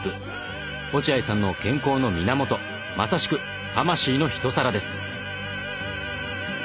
落合さんの健康の源まさしく魂の１皿です。